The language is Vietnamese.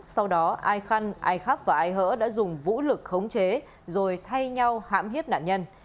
sau đó ai khăn ai khắc và ai hỡ đã dùng vũ lực khống chế rồi thay nhau hãm hiếp nạn nhân